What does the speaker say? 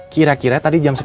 kira kira tadi jam sepuluh